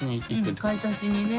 うん買い足しにね。